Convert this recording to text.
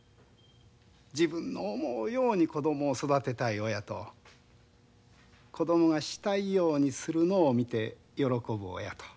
自分の思うように子供を育てたい親と子供がしたいようにするのを見て喜ぶ親と。